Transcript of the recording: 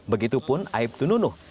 begitupun aibtu nunuh